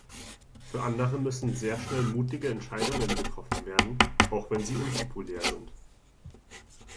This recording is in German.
Für andere müssen sehr schnell mutige Entscheidungen getroffen werden, auch wenn sie unpopulär sind!